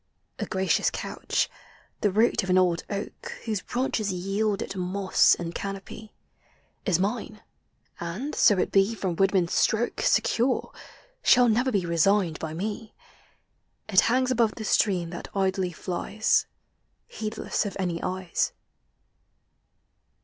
A gracious couch— the root of an old oak Whose branches yield it moss and canopy— Is mine, and, so it be from woodman's Btrolffl Secure, shall never be resigned bj me; It hangs above the stream that idlj flies, Heedless of any eyes.